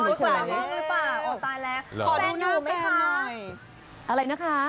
ขอดูหญ้าแฟนไหมคะ